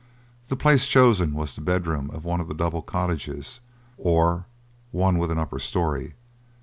The place chosen was the bedroom of one of the double cottages, or one with an upper story.